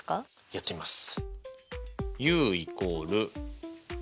やってみます。